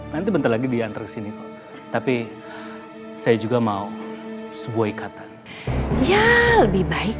nanti bentar lagi diantar ke sini tapi saya juga mau sebuah ikatan ya lebih baik